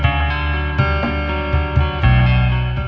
๔ไม่รู้